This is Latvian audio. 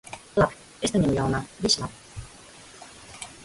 Labi. Es neņemu ļaunā. Viss labi.